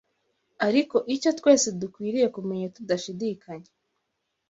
ariko icyo twese dukwiriye kumenya tudashidikanya